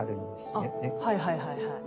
あっはいはいはいはい。